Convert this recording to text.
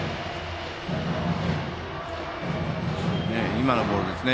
今のボールですね。